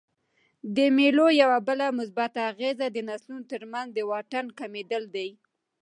د مېلو یوه بله مثبته اغېزه د نسلونو ترمنځ د واټن کمېدل دي.